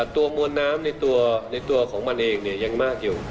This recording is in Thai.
ตัวมวลน้ำในตัวของมันเองยังมากอยู่